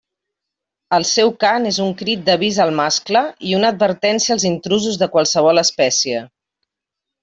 El seu cant és un crit d'avís al mascle i una advertència als intrusos de qualsevol espècie.